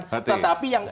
berbeda kan tafsirkan